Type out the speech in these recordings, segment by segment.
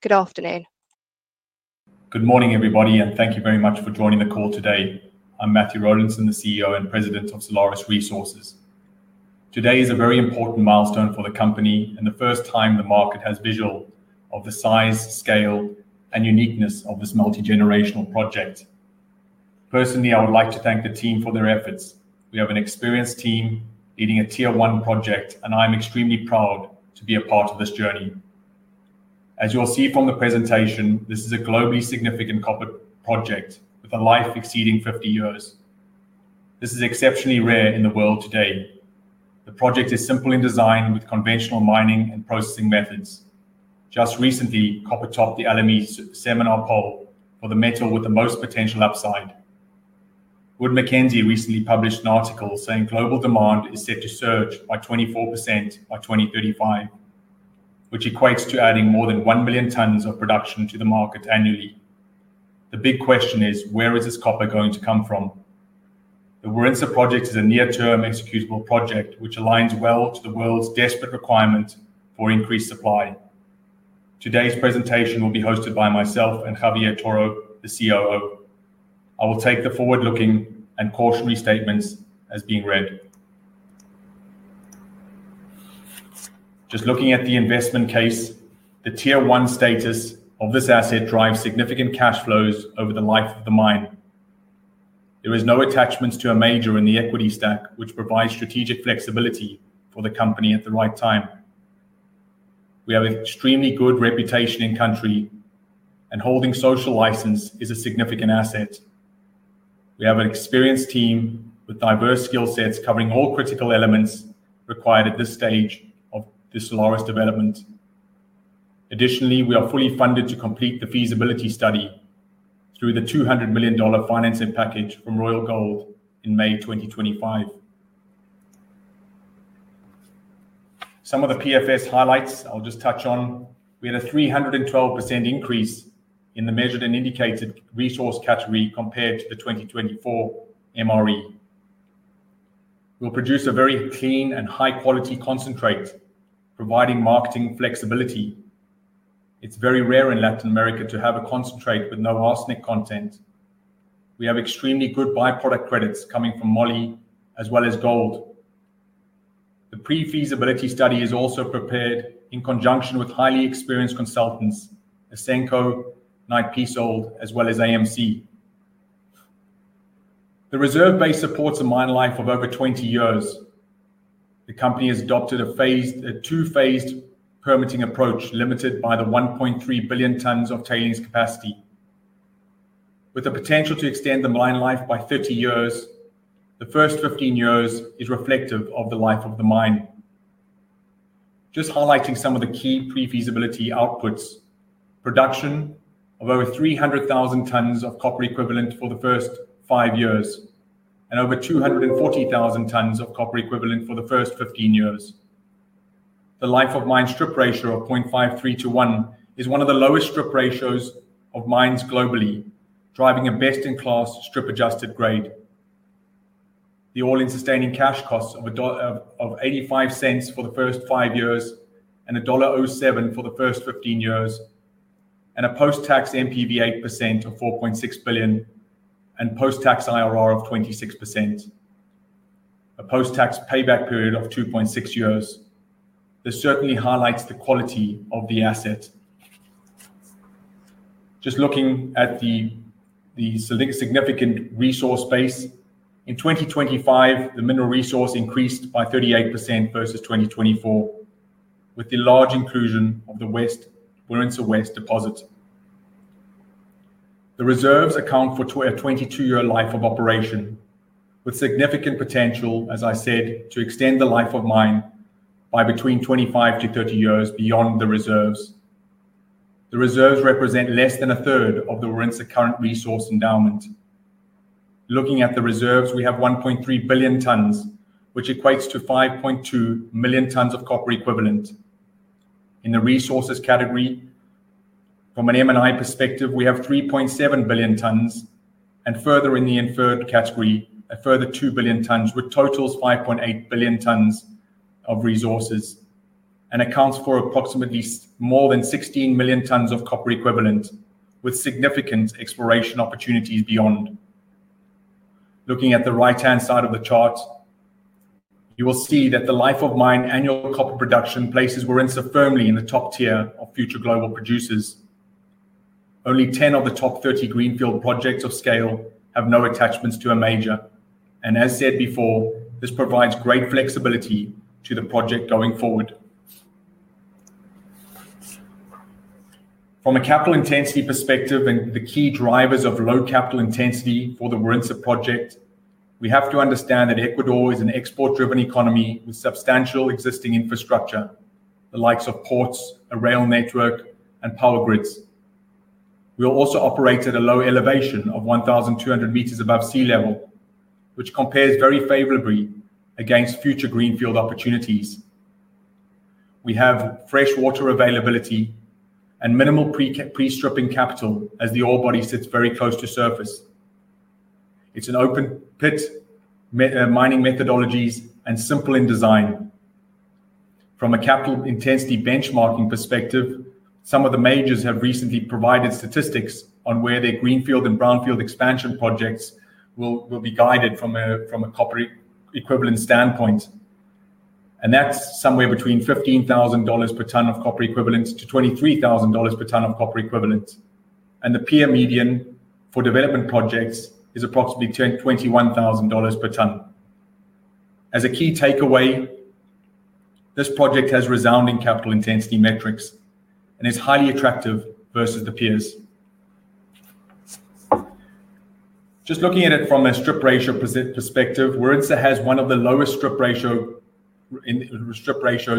Good afternoon. Good morning, everybody, and thank you very much for joining the call today. I'm Matthew Warintza, the CEO and President of Solaris Resources. Today is a very important milestone for the company, and the first time the market has visual of the size, scale, and uniqueness of this multi-generational project. Personally, I would like to thank the team for their efforts. We have an experienced team leading a tier-one project, and I'm extremely proud to be a part of this journey. As you'll see from the presentation, this is a globally significant copper project with a life exceeding 50 years. This is exceptionally rare in the world today. The project is simple in design with conventional mining and processing methods. Just recently, copper topped the Alameda seminar poll for the metal with the most potential upside. Wood Mackenzie recently published an article saying global demand is set to surge by 24% by 2035. Which equates to adding more than 1 million tons of production to the market annually. The big question is, where is this copper going to come from? The Warintza project is a near-term executable project which aligns well to the world's desperate requirement for increased supply. Today's presentation will be hosted by myself and Javier Toro, the COO. I will take the forward-looking and cautionary statements as being read. Just looking at the investment case, the tier-one status of this asset drives significant cash flows over the life of the mine. There are no attachments to a major in the equity stack, which provides strategic flexibility for the company at the right time. We have an extremely good reputation in-country, and holding social license is a significant asset. We have an experienced team with diverse skill sets covering all critical elements required at this stage of this Solaris development. Additionally, we are fully funded to complete the feasibility study through the $200 million financing package from Royal Gold in May 2025. Some of the PFS highlights I'll just touch on. We had a 312% increase in the measured and indicated resource category compared to the 2024 MRE. We'll produce a very clean and high-quality concentrate, providing marketing flexibility. It's very rare in Latin America to have a concentrate with no arsenic content. We have extremely good byproduct credits coming from molybdenum as well as gold. The pre-feasibility study is also prepared in conjunction with highly experienced consultants, Ausenco, Knight Piésold, as well as AMC. The reserve base supports a mine life of over 20 years. The company has adopted a two-phased permitting approach limited by the 1.3 billion tons of tailings capacity. With the potential to extend the mine life by 30 years, the first 15 years is reflective of the life of the mine. Just highlighting some of the key pre-feasibility outputs: production of over 300,000 tons of copper equivalent for the first five years and over 240,000 tons of copper equivalent for the first 15 years. The life of mine strip ratio of 0.53/1 is one of the lowest strip ratios of mines globally, driving a best-in-class strip-adjusted grade. The all-in sustaining cash costs of $0.85 for the first five years and $1.07 for the first 15 years, and a post-tax NPV 8% of $4.6 billion and post-tax IRR of 26%. A post-tax payback period of 2.6 years. This certainly highlights the quality of the asset. Just looking at the. Significant resource base, in 2025, the mineral resource increased by 38% versus 2024. With the large inclusion of the Warintza West deposit. The reserves account for a 22-year life of operation, with significant potential, as I said, to extend the life of mine by between 25-30 years beyond the reserves. The reserves represent less than a third of the Warintza current resource endowment. Looking at the reserves, we have 1.3 billion tons, which equates to 5.2 million tons of copper equivalent. In the resources category. From an M&I perspective, we have 3.7 billion tons, and further in the inferred category, a further 2 billion tons, which totals 5.8 billion tons of resources, and accounts for approximately more than 16 million tons of copper equivalent, with significant exploration opportunities beyond. Looking at the right-hand side of the chart, you will see that the life of mine annual copper production places Warintza firmly in the top tier of future global producers. Only 10 of the top 30 greenfield projects of scale have no attachments to a major. As said before, this provides great flexibility to the project going forward. From a capital intensity perspective and the key drivers of low capital intensity for the Warintza project, we have to understand that Ecuador is an export-driven economy with substantial existing infrastructure, the likes of ports, a rail network, and power grids. We'll also operate at a low elevation of 1,200 m above sea level, which compares very favorably against future greenfield opportunities. We have freshwater availability and minimal pre-stripping capital as the ore body sits very close to surface. It's an open pit. Mining methodologies, and simple in design. From a capital intensity benchmarking perspective, some of the majors have recently provided statistics on where their greenfield and brownfield expansion projects will be guided from a copper equivalent standpoint. That's somewhere between $15,000 per ton of copper equivalent to $23,000 per ton of copper equivalent. The peer median for development projects is approximately $21,000 per ton. As a key takeaway, this project has resounding capital intensity metrics and is highly attractive versus the peers. Just looking at it from a strip ratio perspective, Warintza has one of the lowest strip ratios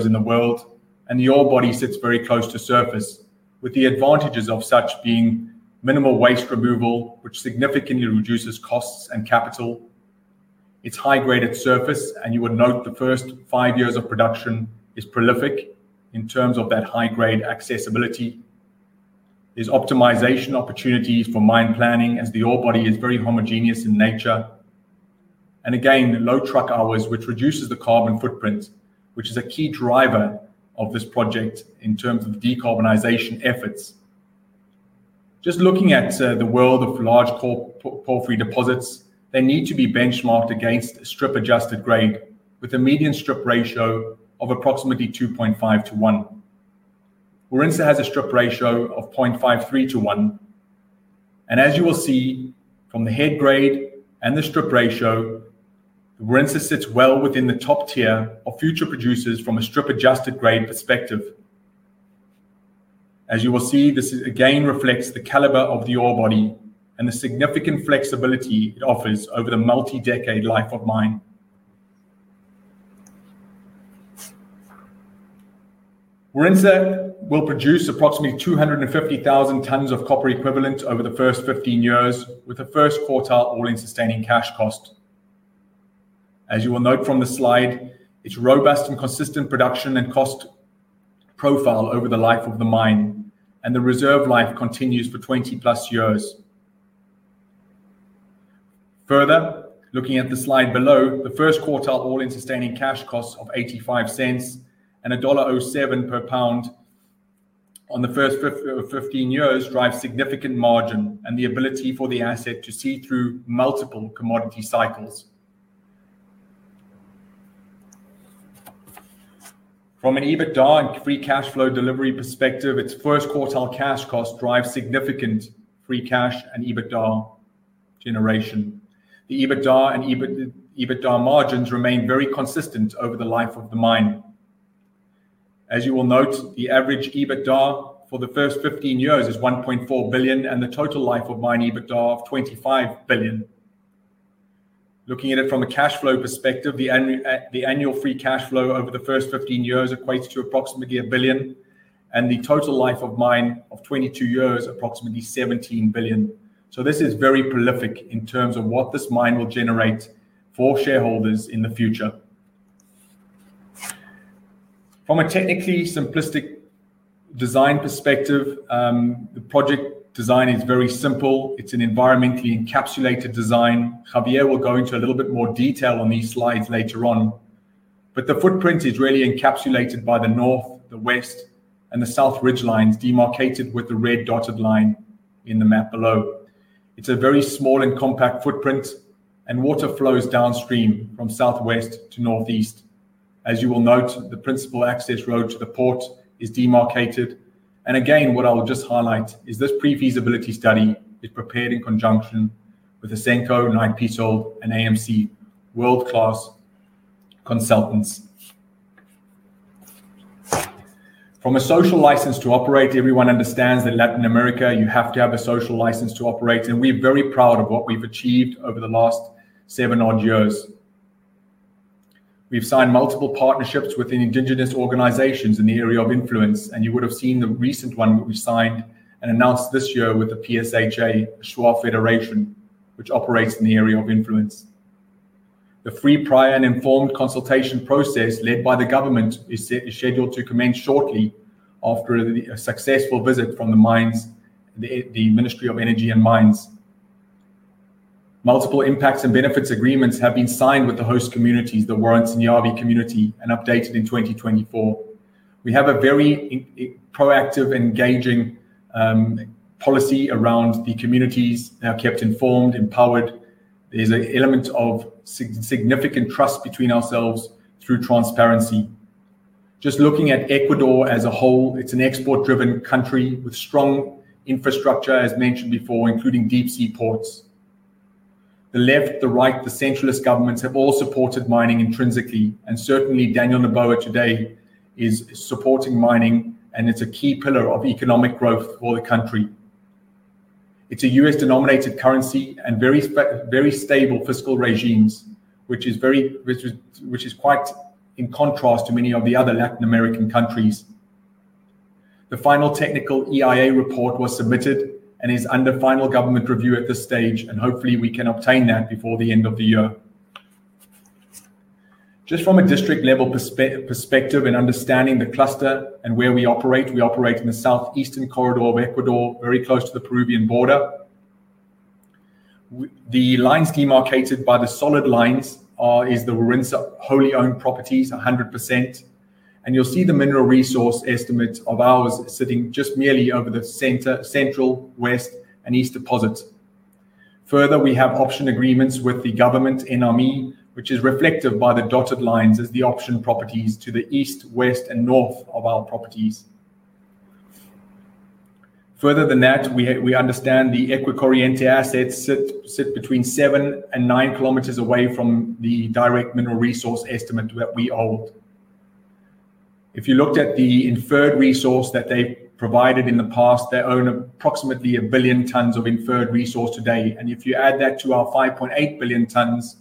in the world, and the ore body sits very close to surface, with the advantages of such being minimal waste removal, which significantly reduces costs and capital. It's high-grade at surface, and you would note the first five years of production is prolific in terms of that high-grade accessibility. There's optimization opportunities for mine planning as the ore body is very homogeneous in nature, and again, low truck hours, which reduces the carbon footprint, which is a key driver of this project in terms of decarbonization efforts. Just looking at the world of large coal-free deposits, they need to be benchmarked against strip-adjusted grade with a median strip ratio of approximately 2.5/1. Warintza has a strip ratio of 0.53/1. As you will see from the head grade and the strip ratio, Warintza sits well within the top tier of future producers from a strip-adjusted grade perspective. As you will see, this again reflects the caliber of the ore body and the significant flexibility it offers over the multi-decade life of mine. Warintza will produce approximately 250,000 tons of copper equivalent over the first 15 years, with the first quartile all-in sustaining cash cost. As you will note from the slide, it's robust and consistent production and cost profile over the life of the mine, and the reserve life continues for 20+ years. Further, looking at the slide below, the first quartile all-in sustaining cash costs of $0.85 and $1.07 per pound on the first 15 years drive significant margin and the ability for the asset to see through multiple commodity cycles. From an EBITDA and free cash flow delivery perspective, its first quartile cash cost drives significant free cash and EBITDA generation. The EBITDA and EBITDA margins remain very consistent over the life of the mine. As you will note, the average EBITDA for the first 15 years is $1.4 billion and the total life of mine EBITDA of $25 billion. Looking at it from a cash flow perspective, the annual free cash flow over the first 15 years equates to approximately $1 billion, and the total life of mine of 22 years, approximately $17 billion. This is very prolific in terms of what this mine will generate for shareholders in the future. From a technically simplistic design perspective, the project design is very simple. It is an environmentally encapsulated design. Javier will go into a little bit more detail on these slides later on. The footprint is really encapsulated by the north, the west, and the south ridge lines demarcated with the red dotted line in the map below. It is a very small and compact footprint, and water flows downstream from southwest to northeast. As you will note, the principal access road to the port is demarcated. What I will just highlight is this pre-feasibility study is prepared in conjunction with Ausenco, Knight Piésold, and AMC, world-class consultants. From a social license to operate, everyone understands that in Latin America, you have to have a social license to operate, and we are very proud of what we have achieved over the last seven odd years. We have signed multiple partnerships with indigenous organizations in the area of influence, and you would have seen the recent one that we signed and announced this year with the PSHA Shuar Federation, which operates in the area of influence. The free, prior, and informed consultation process led by the government is scheduled to commence shortly after a successful visit from the Ministry of Energy and Mines. Multiple impacts and benefits agreements have been signed with the host communities, the Warints and Yawi community, and updated in 2024. We have a very proactive, engaging policy around the communities, kept informed, empowered. There is an element of significant trust between ourselves through transparency. Just looking at Ecuador as a whole, it is an export-driven country with strong infrastructure, as mentioned before, including deep-sea ports. The left, the right, the centralist governments have all supported mining intrinsically, and certainly, Daniel Noboa today is supporting mining, and it is a key pillar of economic growth for the country. It is a USD-denominated currency and very stable fiscal regimes, which is quite in contrast to many of the other Latin American countries. The final technical EIA report was submitted and is under final government review at this stage, and hopefully, we can obtain that before the end of the year. Just from a district-level perspective and understanding the cluster and where we operate, we operate in the southeastern corridor of Ecuador, very close to the Peruvian border. The lines demarcated by the solid lines are the Warintza wholly owned properties, 100%. You'll see the mineral resource estimates of ours sitting just merely over the central, west, and east deposits. Further, we have option agreements with the government, [MRE], which is reflected by the dotted lines as the option properties to the east, west, and north of our properties. Further than that, we understand the EcuaCorriente assets sit between 7-9 km away from the direct mineral resource estimate that we hold. If you looked at the inferred resource that they provided in the past, they own approximately 1 billion tons of inferred resource today. If you add that to our 5.8 billion tons,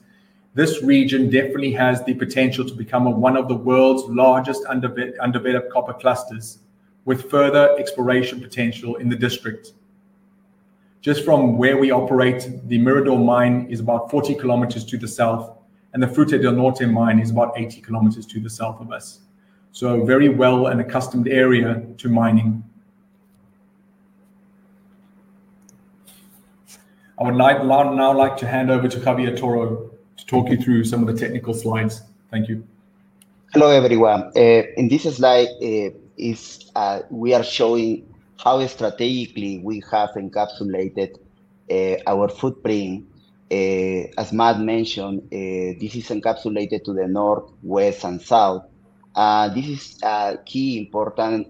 this region definitely has the potential to become one of the world's largest underdeveloped copper clusters with further exploration potential in the district. Just from where we operate, the Mirador mine is about 40 km to the south, and the Fruta del Norte mine is about 80 km to the south of us. Very well an accustomed area to mining. I would now like to hand over to Javier Toro to talk you through some of the technical slides. Thank you. Hello, everyone. In this slide, we are showing how strategically we have encapsulated our footprint. As Matt mentioned, this is encapsulated to the north, west, and south. This is key important,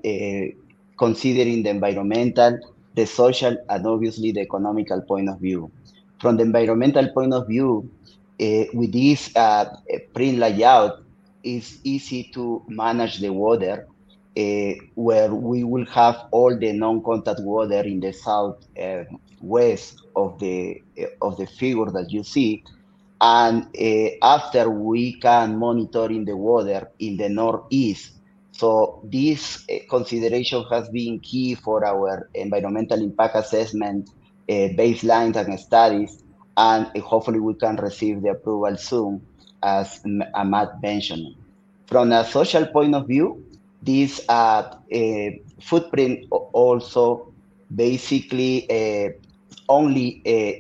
considering the environmental, the social, and obviously the economical point of view. From the environmental point of view, with this print layout, it's easy to manage the water, where we will have all the non-contact water in the southwest of the figure that you see, and after we can monitor the water in the northeast. This consideration has been key for our environmental impact assessment. Baselines and studies, and hopefully, we can receive the approval soon, as Matt mentioned. From a social point of view, this footprint also basically only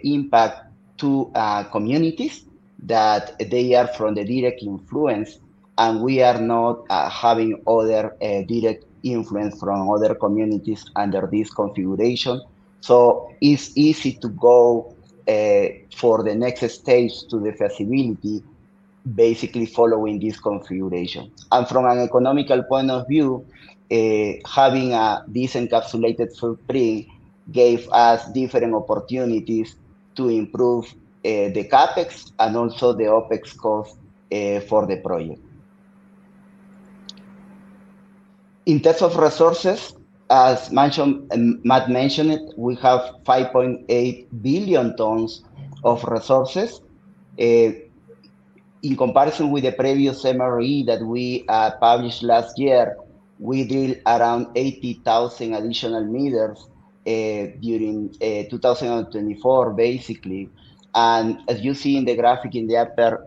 impacts two communities that are from the direct influence, and we are not having other direct influence from other communities under this configuration. It's easy to go for the next stage to the feasibility, basically following this configuration. From an economical point of view, having this encapsulated footprint gave us different opportunities to improve the CapEx and also the OpEx cost for the project. In terms of resources, as Matt mentioned, we have 5.8 billion tons of resources. In comparison with the previous MRE that we published last year, we did around 80,000 additional meters during 2024, basically. As you see in the graphic in the upper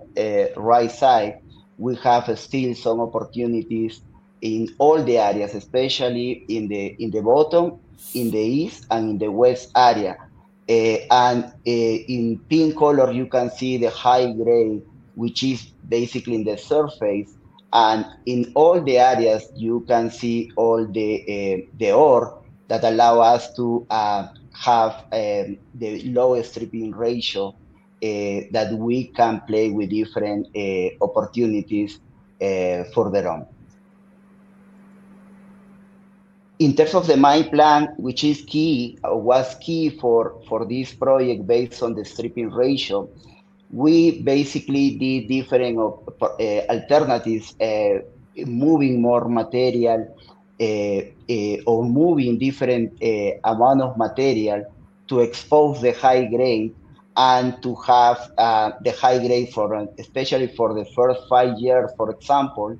right side, we have still some opportunities in all the areas, especially in the bottom, in the east, and in the west area. In pink color, you can see the high grade, which is basically in the surface. In all the areas, you can see all the ore that allow us to have the lowest stripping ratio. We can play with different opportunities further on. In terms of the mine plan, which was key for this project based on the stripping ratio, we basically did different alternatives, moving more material or moving different amounts of material to expose the high grade and to have the high grade especially for the first five years, for example.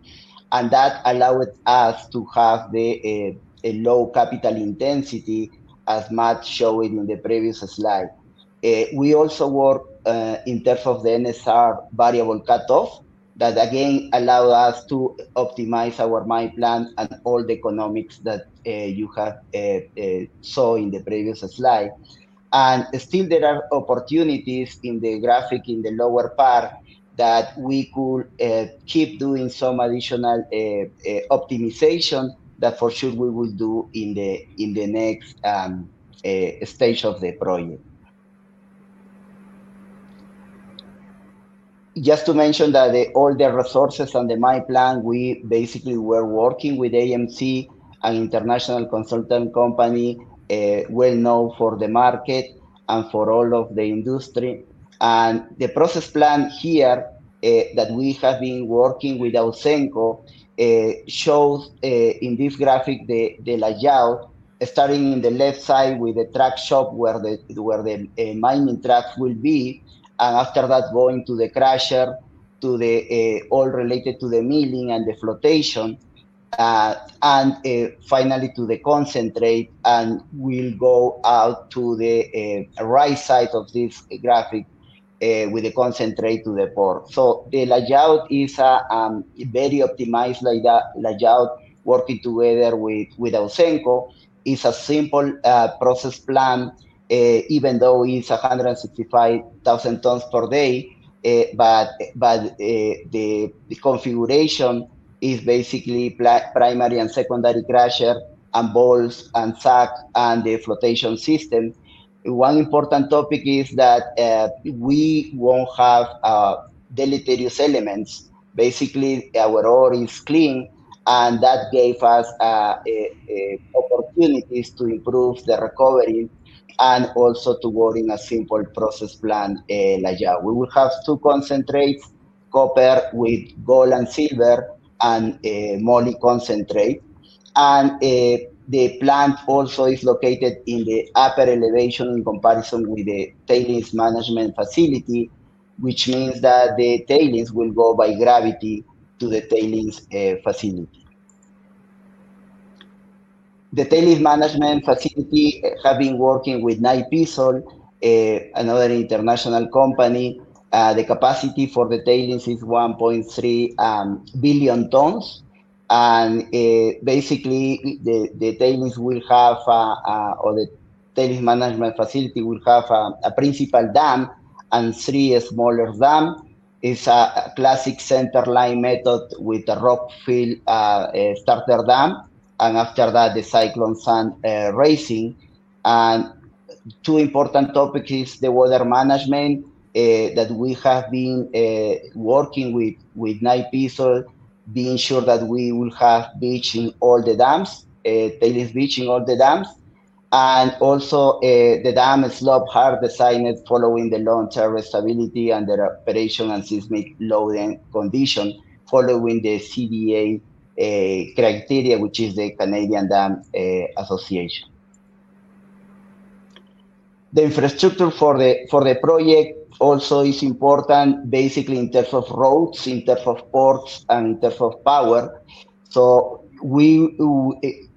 That allowed us to have the low capital intensity, as Matt showed in the previous slide. We also work in terms of the NSR variable cutoff that again allowed us to optimize our mine plan and all the economics that you have saw in the previous slide. Still, there are opportunities in the graphic in the lower part that we could keep doing some additional optimization that for sure we will do in the next stage of the project. Just to mention that all the resources and the mine plan, we basically were working with AMC, an international consultant company well known for the market and for all of the industry. The process plan here that we have been working with Ausenco shows in this graphic the layout starting in the left side with the track shop where the mining tracks will be, and after that, going to the crusher, to all related to the milling and the flotation. Finally, to the concentrate, we will go out to the right side of this graphic with the concentrate to the port. The layout is a very optimized layout working together with Ausenco. It is a simple process plant, even though it is 165,000 tons per day. The configuration is basically primary and secondary crusher and balls and SAG and the flotation system. One important topic is that we will not have deleterious elements. Basically, our ore is clean, and that gave us opportunities to improve the recovery and also to work in a simple process plant layout. We will have two concentrates, copper with gold and silver, and moly concentrate. The plant also is located in the upper elevation in comparison with the tailings management facility, which means that the tailings will go by gravity to the tailings facility. The tailings management facility has been working with Knight Piésold, another international company. The capacity for the tailings is 1.3 billion tons. Basically, the tailings will have, or the tailings management facility will have, a principal dam and three smaller dams. It is a classic centerline method with a rockfill starter dam, and after that, the cyclone sand raising. Two important topics is the water management that we have been working with Knight Piésold, being sure that we will have beaching all the dams, tailings beaching all the dams. Also, the dam is love heart designed following the long-term stability and the operational and seismic loading condition following the CDA criteria, which is the Canadian Dam Association. The infrastructure for the project also is important, basically in terms of roads, in terms of ports, and in terms of power.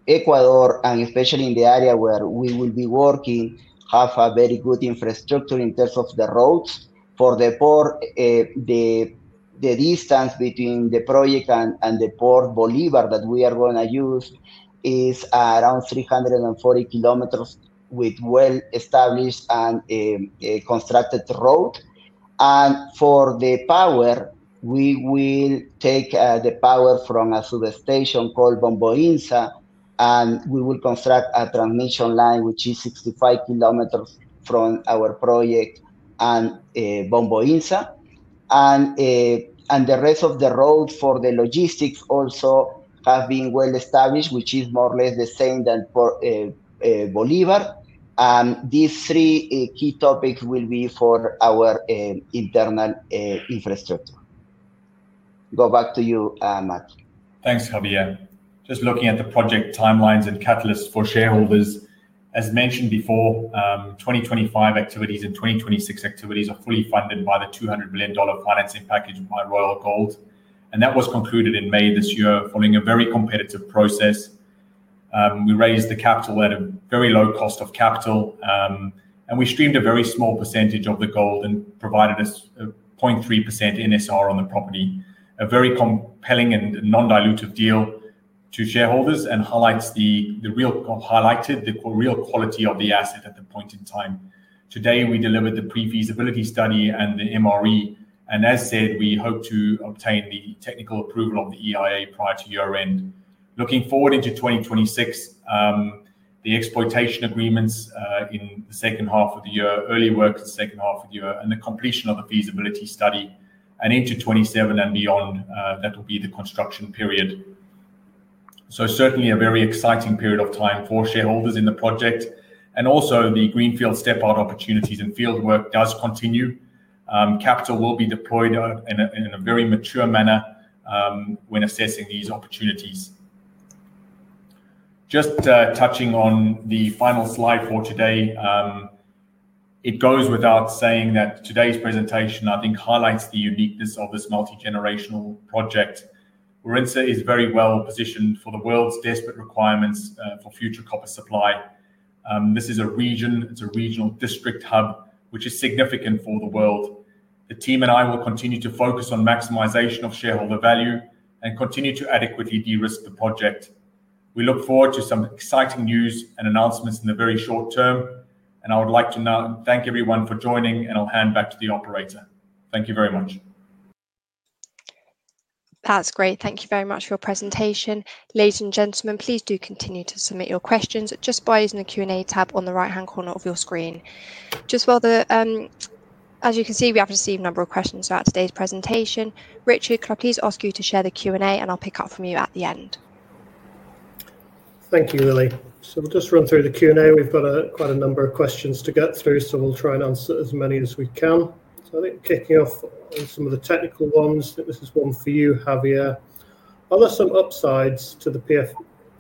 Ecuador, and especially in the area where we will be working, have a very good infrastructure in terms of the roads. For the port, the distance between the project and Port Bolívar that we are going to use is around 340 km with well-established and constructed road. For the power, we will take the power from a substation called Bomboíza, and we will construct a transmission line, which is 65 km from our project and Bomboíza. The rest of the roads for the logistics also have been well-established, which is more or less the same as Bolívar. These three key topics will be for our internal infrastructure. Go back to you, Matt. Thanks, Javier. Just looking at the project timelines and catalysts for shareholders, as mentioned before, 2025 activities and 2026 activities are fully funded by the $200 million financing package by Royal Gold. That was concluded in May this year following a very competitive process. We raised the capital at a very low cost of capital, and we streamed a very small percentage of the gold and provided a 0.3% NSR on the property. A very compelling and non-dilutive deal to shareholders and highlights the real quality of the asset at the point in time. Today, we delivered the pre-feasibility study and the MRE. As said, we hope to obtain the technical approval of the EIA prior to year-end. Looking forward into 2026, the exploitation agreements in the second half of the year, early work in the second half of the year, and the completion of the feasibility study. Into 2027 and beyond, that will be the construction period. Certainly a very exciting period of time for shareholders in the project. Also, the greenfield step-out opportunities and fieldwork does continue. Capital will be deployed in a very mature manner when assessing these opportunities. Just touching on the final slide for today. It goes without saying that today's presentation, I think, highlights the uniqueness of this multi-generational project. Warintza is very well positioned for the world's desperate requirements for future copper supply. This is a region, it is a regional district hub, which is significant for the world. The team and I will continue to focus on maximization of shareholder value and continue to adequately de-risk the project. We look forward to some exciting news and announcements in the very short term. I would like to now thank everyone for joining, and I'll hand back to the operator. Thank you very much. That's great. Thank you very much for your presentation. Ladies and gentlemen, please do continue to submit your questions just by using the Q&A tab on the right-hand corner of your screen. As you can see, we have received a number of questions throughout today's presentation. Richard, could I please ask you to share the Q&A, and I'll pick up from you at the end? Thank you, Lily. We'll just run through the Q&A. We've got quite a number of questions to get through, so we'll try and answer as many as we can. I think kicking off on some of the technical ones, this is one for you, Javier. Are there some upsides to the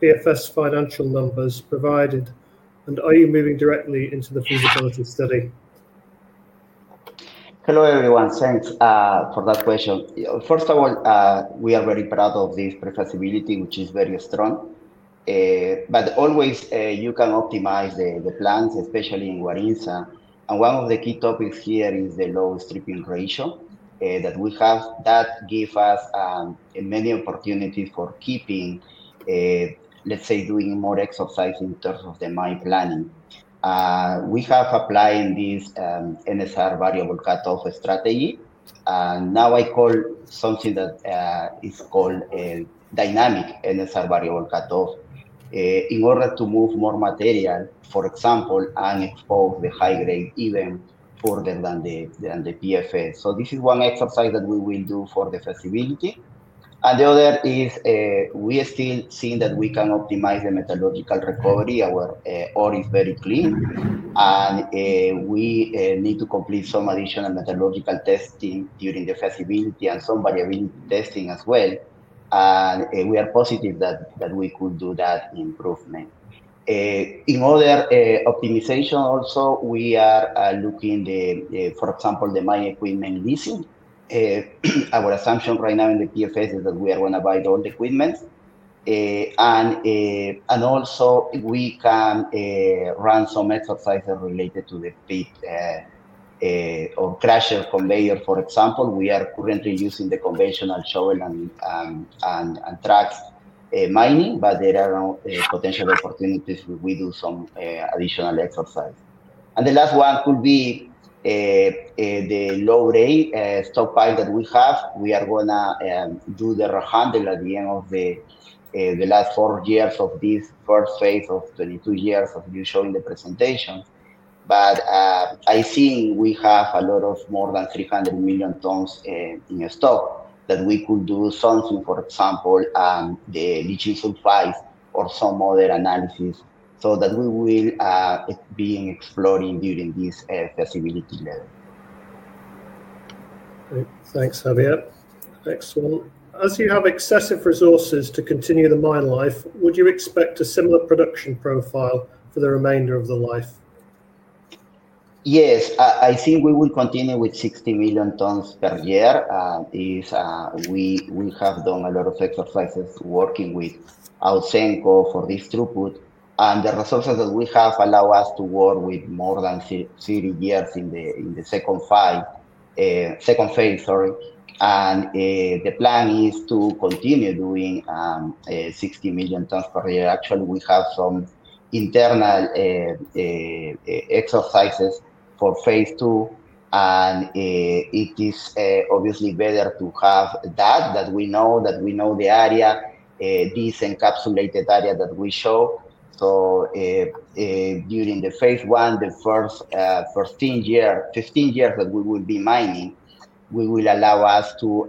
PFS financial numbers provided? And are you moving directly into the feasibility study? Hello, everyone. Thanks for that question. First of all, we are very proud of this pre-feasibility, which is very strong. Always, you can always optimize the plans, especially in Warintza. One of the key topics here is the low stripping ratio that we have. That gives us many opportunities for keeping, let's say, doing more exercise in terms of the mine planning. We have applied this NSR variable cutoff strategy. Now I call something that is called dynamic NSR variable cutoff in order to move more material, for example, and expose the high grade even further than the PFS. This is one exercise that we will do for the feasibility. The other is we are still seeing that we can optimize the metallurgical recovery. Our ore is very clean. We need to complete some additional metallurgical testing during the feasibility and some variability testing as well. We are positive that we could do that improvement. In other optimization, also, we are looking at, for example, the mine equipment leasing. Our assumption right now in the PFS is that we are going to buy all the equipment. Also, we can run some exercises related to the crusher conveyor, for example. We are currently using the conventional shovel and trucks mining, but there are potential opportunities if we do some additional exercise. The last one could be the low-grade stockpile that we have. We are going to do the handle at the end of the last four years of this first phase of 22 years of you showing the presentation. I think we have a lot of more than 300 million tons in stock that we could do something, for example, the leaching sulfides or some other analysis so that we will be exploring during this feasibility level. Great. Thanks, Javier. Excellent. As you have excessive resources to continue the mine life, would you expect a similar production profile for the remainder of the life? Yes. I think we will continue with 60 million tons per year. We have done a lot of exercises working with Ausenco for this throughput. The resources that we have allow us to work with more than 30 years in the second phase, sorry. The plan is to continue doing 60 million tons per year. Actually, we have some internal exercises for phase two. It is obviously better to have that, that we know the area, this encapsulated area that we show. During phase one, the first 15 years that we will be mining, we will allow us to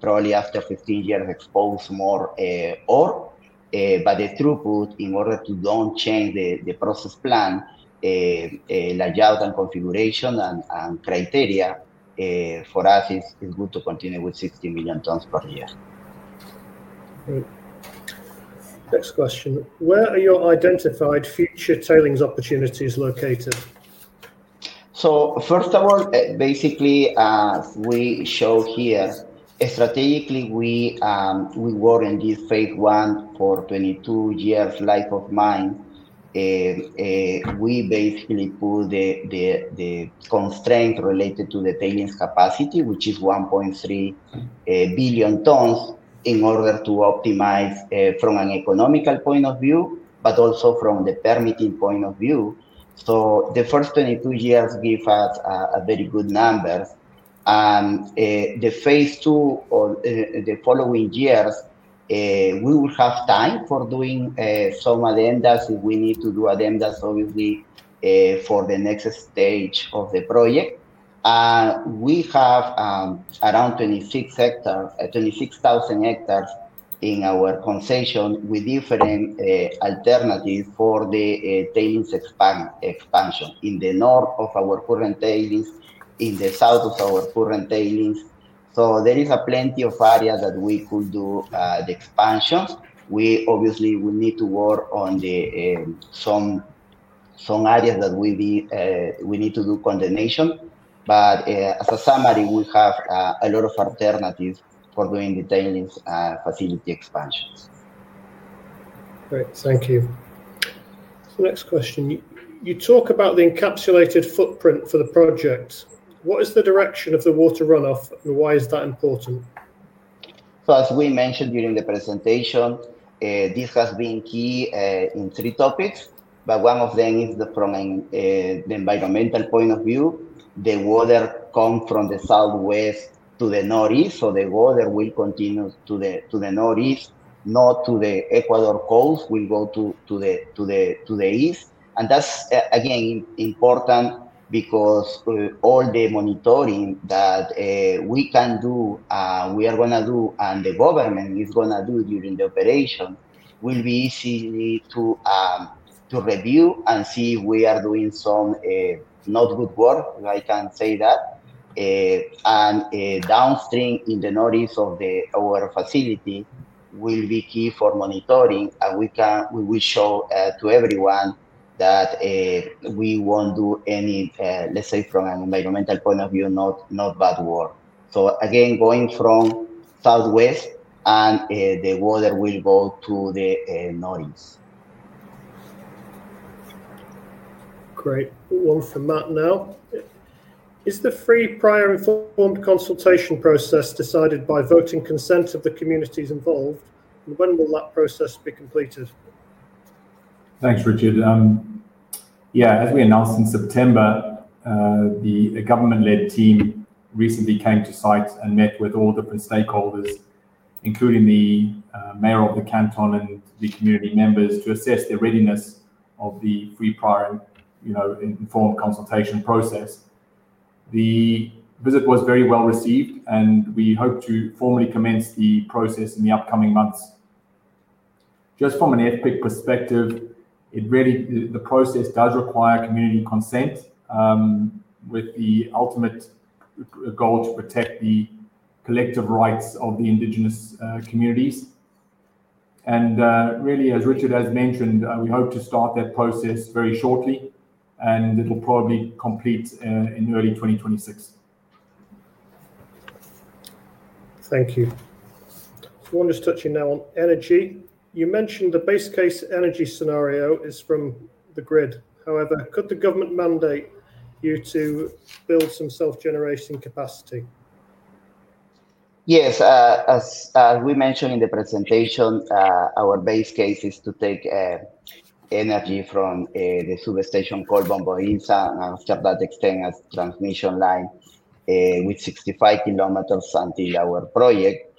probably after 15 years, expose more ore. The throughput, in order to not change the process plant layout and configuration and criteria. For us, it's good to continue with 60 million tons per year. Great. Next question. Where are your identified future tailings opportunities located? First of all, basically, as we show here, strategically, we worked in this phase one for 22 years' life of mine. We basically put the constraint related to the tailings capacity, which is 1.3 billion tons, in order to optimize from an economical point of view, but also from the permitting point of view. The first 22 years give us a very good number. The phase two, the following years, we will have time for doing some addenda. We need to do addenda, obviously, for the next stage of the project. We have around 26,000 hectares in our concession with different alternatives for the tailings expansion in the north of our current tailings, in the south of our current tailings. There is plenty of areas that we could do the expansion. We obviously will need to work on some areas that we need to do condemnation. As a summary, we have a lot of alternatives for doing the tailings facility expansions. Great. Thank you. Next question. You talk about the encapsulated footprint for the project. What is the direction of the water runoff, and why is that important? As we mentioned during the presentation, this has been key in three topics. One of them is from the environmental point of view. The water comes from the southwest to the northeast. The water will continue to the northeast, not to the Ecuador coast. It will go to the east. That is, again, important because all the monitoring that we can do, we are going to do, and the government is going to do during the operation, will be easy to review and see if we are doing some not good work, if I can say that. Downstream in the northeast of our facility will be key for monitoring. We will show to everyone that we will not do any, let's say, from an environmental point of view, not bad work. Again, going from southwest, and the water will go to the northeast. Great. We will run from that now. Is the free prior-informed consultation process decided by voting consent of the communities involved? When will that process be completed? Thanks, Richard. Yeah. As we announced in September, the government-led team recently came to site and met with all different stakeholders, including the mayor of the canton and the community members, to assess the readiness of the free prior informed consultation process. The visit was very well received, and we hope to formally commence the process in the upcoming months. Just from an ethnic perspective, the process does require community consent, with the ultimate goal to protect the collective rights of the indigenous communities. And really, as Richard has mentioned, we hope to start that process very shortly, and it'll probably complete in early 2026. Thank you. I want to touch in now on energy. You mentioned the base case energy scenario is from the grid. However, could the government mandate you to build some self-generating capacity? Yes. As we mentioned in the presentation, our base case is to take energy from the substation called Bomboíza and, after that, extend a transmission line with 65 km until our project.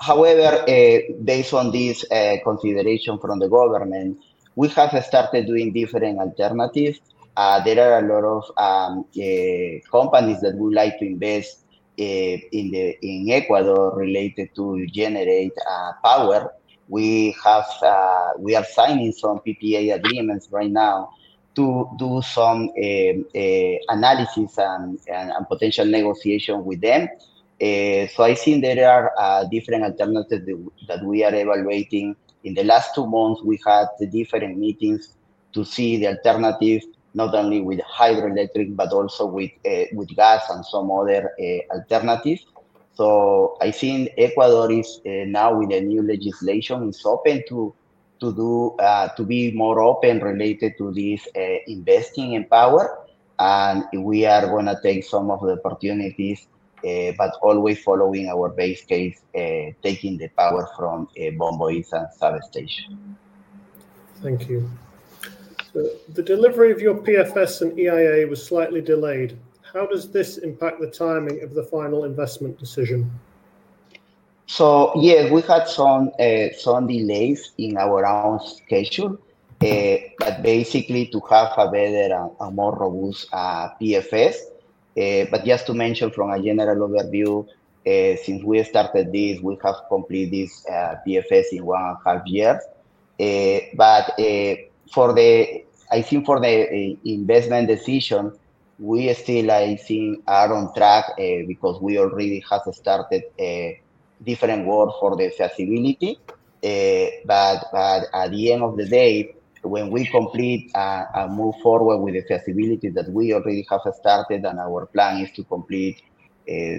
However, based on this consideration from the government, we have started doing different alternatives. There are a lot of companies that would like to invest in Ecuador related to generate power. We are signing some PPA agreements right now to do some analysis and potential negotiation with them. I think there are different alternatives that we are evaluating. In the last two months, we had different meetings to see the alternative, not only with hydroelectric but also with gas and some other alternatives. I think Ecuador is now, with the new legislation, open to be more open related to this investing in power. We are going to take some of the opportunities, but always following our base case, taking the power from Bomboíza substation. Thank you. The delivery of your PFS and EIA was slightly delayed. How does this impact the timing of the final investment decision? Yeah, we had some delays in our own schedule, but basically to have a better and more robust PFS. Just to mention from a general overview, since we started this, we have completed this PFS in one and a half years. I think for the investment decision, we are still, I think, on track because we already have started different work for the feasibility. At the end of the day, when we complete and move forward with the feasibility that we already have started, our plan is to complete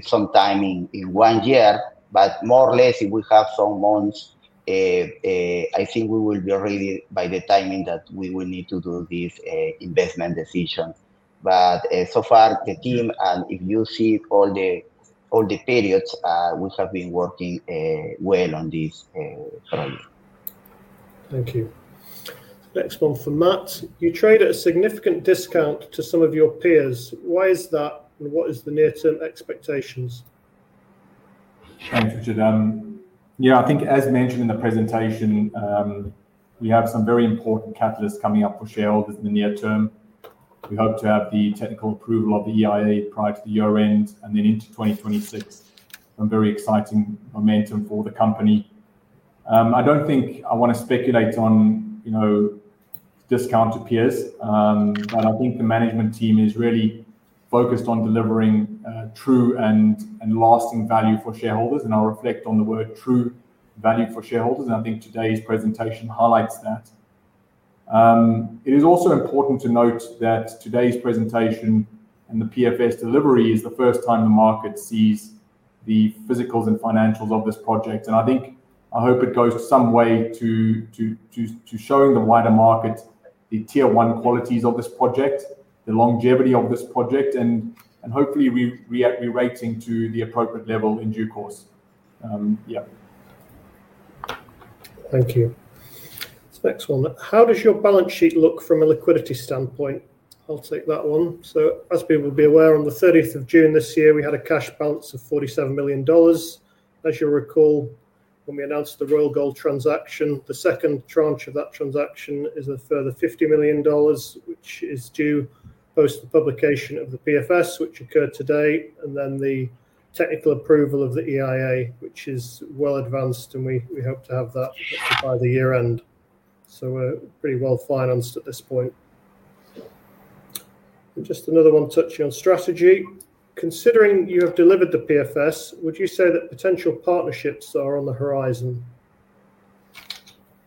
sometime in one year, but more or less, if we have some months, I think we will be ready by the timing that we will need to do this investment decision. So far, the team, and if you see all the periods, we have been working well on this project. Thank you. Next one from Matt. You trade at a significant discount to some of your peers. Why is that, and what is the near-term expectations? Thank you, Richard. Yeah, I think, as mentioned in the presentation, we have some very important catalysts coming up for Solaris in the near term. We hope to have the technical approval of the EIA prior to the year-end and then into 2026. Some very exciting momentum for the company. I do not think I want to speculate on discount to peers. I think the management team is really focused on delivering true and lasting value for shareholders. I will reflect on the word true value for shareholders, and I think today's presentation highlights that. It is also important to note that today's presentation and the PFS delivery is the first time the market sees the physicals and financials of this project. I hope it goes some way to showing the wider market the tier one qualities of this project, the longevity of this project, and hopefully re-rating to the appropriate level in due course. Thank you. Next one. How does your balance sheet look from a liquidity standpoint? I'll take that one. As people will be aware, on June 30 this year, we had a cash balance of $47 million. As you'll recall, when we announced the Royal Gold transaction, the second tranche of that transaction is a further $50 million, which is due post the publication of the PFS, which occurred today, and then the technical approval of the EIA, which is well advanced. We hope to have that by the year-end. We're pretty well financed at this point. Just another one touching on strategy. Considering you have delivered the PFS, would you say that potential partnerships are on the horizon?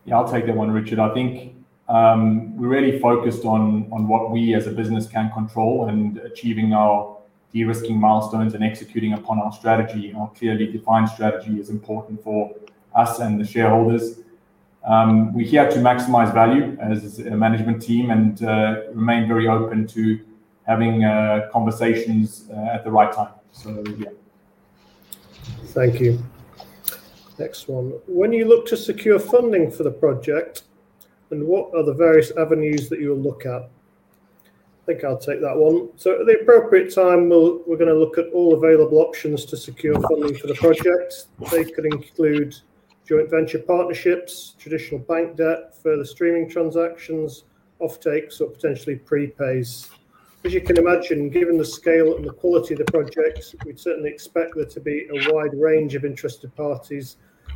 Yeah, I'll take that one, Richard. I think we're really focused on what we as a business can control and achieving our de-risking milestones and executing upon our strategy. Our clearly defined strategy is important for us and the shareholders. We're here to maximize value as a management team and remain very open to having conversations at the right time. Yeah. Thank you. Next one. When you look to secure funding for the project, what are the various avenues that you'll look at? I think I'll take that one. At the appropriate time, we're going to look at all available options to secure funding for the project. They could include joint venture partnerships, traditional bank debt, further streaming transactions, offtakes, or potentially prepays. As you can imagine, given the scale and the quality of the project, we'd certainly expect there to be a wide range of interested parties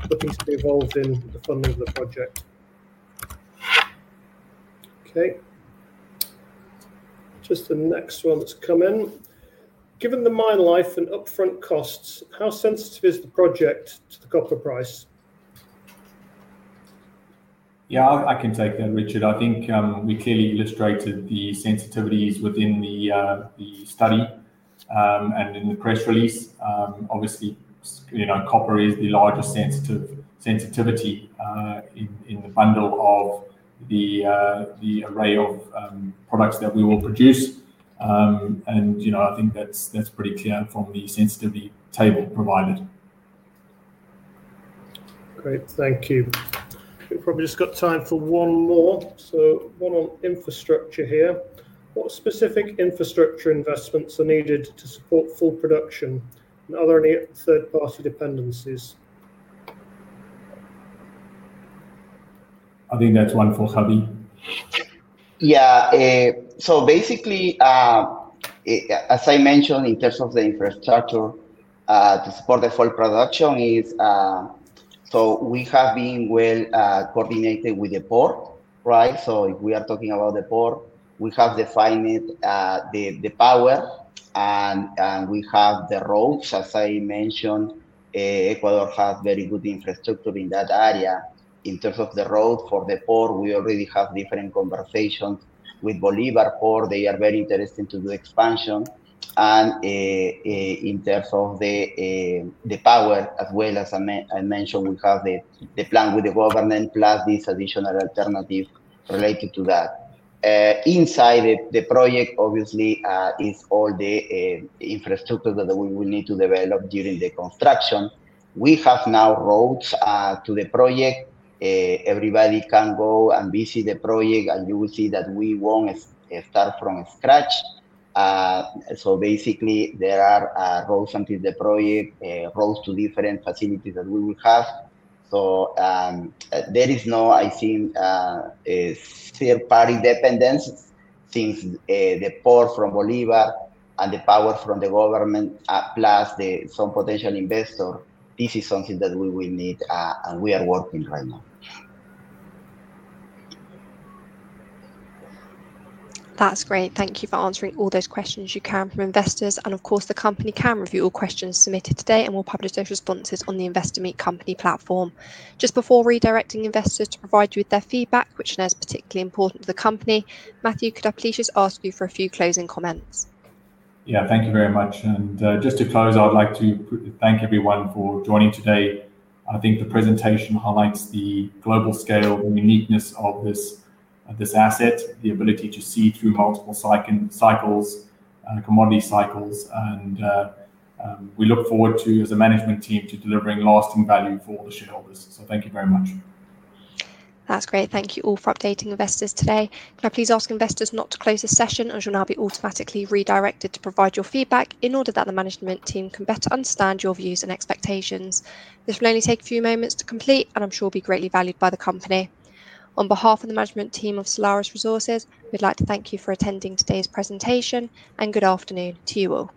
looking to be involved in the funding of the project. Okay. Just the next one that's come in. Given the mine life and upfront costs, how sensitive is the project to the copper price? Yeah, I can take that, Richard. I think we clearly illustrated the sensitivities within the study and in the press release. Obviously, copper is the largest sensitivity in the bundle of the array of products that we will produce, and I think that's pretty clear from the sensitivity table provided. Great. Thank you. We've probably just got time for one more. So one on infrastructure here. What specific infrastructure investments are needed to support full production? Are there any third-party dependencies? I think that's one for Javier. Yeah. Basically, as I mentioned, in terms of the infrastructure to support the full production, we have been well coordinated with the port, right? If we are talking about the port, we have defined the power and we have the roads. As I mentioned, Ecuador has very good infrastructure in that area. In terms of the road for the port, we already have different conversations with Port Bolívar. They are very interested to do expansion. In terms of the power as well, as I mentioned, we have the plan with the government plus this additional alternative related to that. Inside the project, obviously, is all the infrastructure that we will need to develop during the construction. We have now roads to the project. Everybody can go and visit the project, and you will see that we won't start from scratch. Basically, there are roads until the project, roads to different facilities that we will have. There is no, I think, third-party dependence since the port from Port Bolívar and the power from the government plus some potential investor. This is something that we will need, and we are working right now. That's great. Thank you for answering all those questions you can from investors. Of course, the company can review all questions submitted today and will publish those responses on the Investor Meet Company platform. Just before redirecting investors to provide you with their feedback, which is particularly important to the company, Matthew, could I please just ask you for a few closing comments? Yeah, thank you very much. Just to close, I'd like to thank everyone for joining today. I think the presentation highlights the global scale and uniqueness of this asset, the ability to see through multiple commodity cycles. We look forward to, as a management team, delivering lasting value for all the shareholders. Thank you very much. That's great. Thank you all for updating investors today. Can I please ask investors not to close the session as you'll now be automatically redirected to provide your feedback in order that the management team can better understand your views and expectations? This will only take a few moments to complete, and I'm sure it'll be greatly valued by the company. On behalf of the management team of Solaris Resources, we'd like to thank you for attending today's presentation and good afternoon to you all.